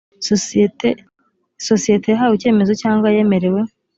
sosiyete yahawe icyemezo cyangwa yemerewe